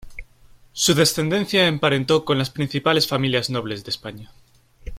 Su descendencia emparentó con las principales familias nobles de España.